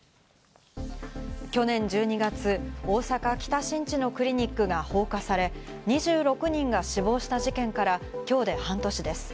去年１２月、大阪・北新地のクリニックが放火され、２６人が死亡した事件から今日で半年です。